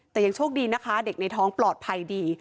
แต่ยังโชคดีนะคะเด็กในท้องปลอดภัยดี